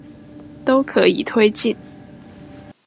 都可以推進